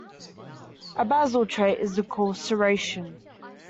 A basal trait is the coarse serration.